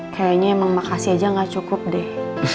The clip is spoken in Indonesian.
kayaknya emang makasih aja gak cukup deh